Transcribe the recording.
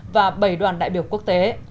và bảy đoàn đại biểu quốc tế